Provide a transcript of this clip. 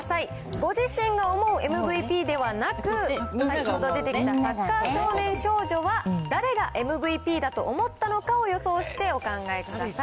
ご自身が思うＭＶＰではなく、先ほど出てきたサッカー少年少女は、誰がＭＶＰだと思ったのかを予想して、お考えください。